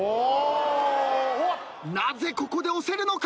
なぜここで押せるのか？